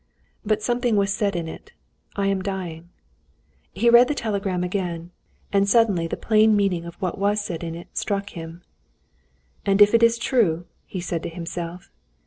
"But something was said in it: I am dying...." He read the telegram again, and suddenly the plain meaning of what was said in it struck him. "And if it is true?" he said to himself.